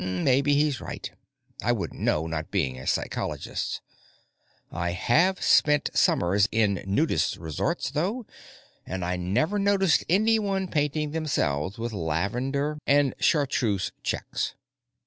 Maybe he's right; I wouldn't know, not being a psychologist. I have spent summers in nudist resorts, though, and I never noticed anyone painting themselves with lavender and chartreuse checks.